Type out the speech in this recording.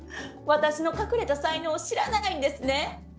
私の隠れた才能を知らないんですね。